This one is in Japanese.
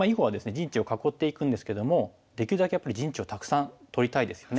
陣地を囲っていくんですけどもできるだけやっぱり陣地をたくさん取りたいですよね。